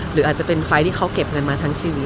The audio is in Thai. หรืออาจจะเป็นไฟล์ที่เขาเก็บเงินมาทั้งชีวิต